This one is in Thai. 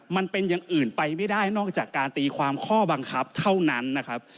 มันเป็นอย่างอื่นไปไม่ได้นอกจากการตีความข้อบังคับเท่านั้นนะครับ